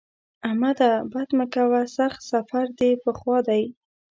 احمده! بد مه کوه؛ سخت سفر دې په خوا دی.